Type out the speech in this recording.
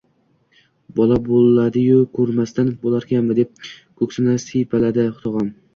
– Bola bo‘ladi-yu, ko‘rmasdan bo‘larkanmi? – deb ko‘ksini siypaladi tog‘am